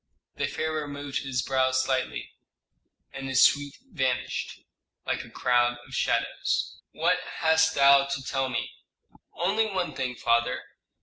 The pharaoh moved his brows slightly, and his suite vanished, like a crowd of shadows. "What hast thou to tell me?" "Only one thing, father.